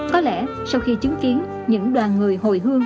có lẽ sau khi chứng kiến những đoàn người hồi hương